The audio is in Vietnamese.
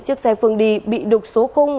chiếc xe phương đi bị đục số khung